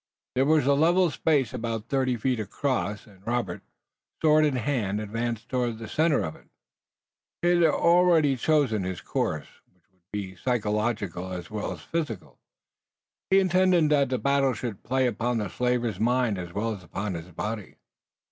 There was a level space about thirty feet across, and Robert, sword in hand, advanced toward the center of it. He had already chosen his course, which would be psychological as well as physical. He intended that the battle should play upon the slaver's mind as well as upon his body.